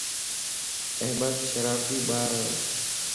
احمد شرارتي ٻار ائي